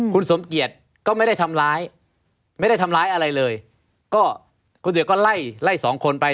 คุณสมเกียจก็ไม่ได้ทำร้ายโดยถือก็ไล่๒คนไป